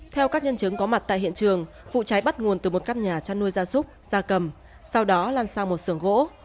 theo các nhân chứng có mặt tại hiện trường vụ cháy bắt nguồn từ một căn nhà chăn nuôi gia súc gia cầm sau đó lan sang một sưởng gỗ